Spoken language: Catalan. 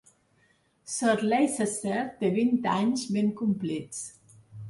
Sir Leicester té vint anys, ben complits.